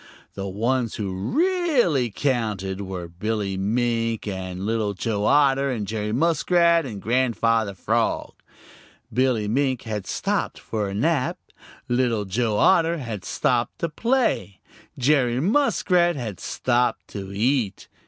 The ones who really counted were Billy Mink and Little Joe Otter and Jerry Muskrat and Grandfather Frog. Billy Mink had stopped for a nap. Little Joe Otter had stopped to play. Jerry Muskrat had stopped to eat.